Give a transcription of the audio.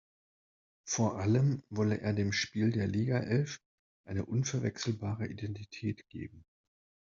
Vor allem wolle er dem Spiel der Ligaelf eine „unverwechselbare Identität“ geben.